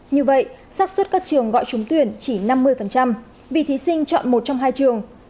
như vậy sát xuất các trường gọi trúng tuyển chỉ năm mươi vì thí sinh chọn một trong hai trường